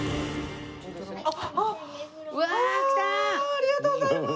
ありがとうございます。